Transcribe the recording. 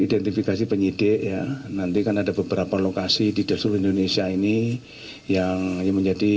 identifikasi penyidik ya nanti kan ada beberapa lokasi di seluruh indonesia ini yang menjadi